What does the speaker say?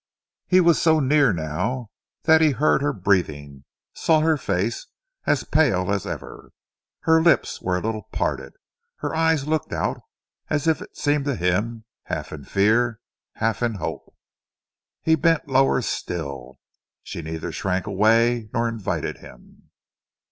He was so near now that he heard her breathing, saw her face, as pale as ever. Her lips were a little parted, her eyes looked out, as it seemed to him, half in fear, half in hope. He bent lower still. She neither shrank away nor invited him.